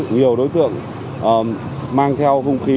nhiều đối tượng mang theo vũ khí